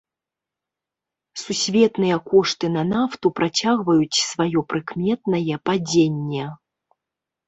Сусветныя кошты на нафту працягваюць сваё прыкметнае падзенне.